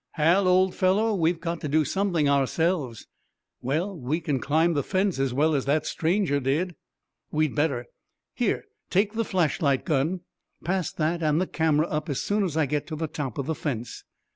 "Hal, old fellow, we've got to do something ourselves." "Well, we can climb the fence as well as that stranger did." "We'd better. Here, take the flashlight gun. Pass that and the camera up as soon as I get to the top of the fence.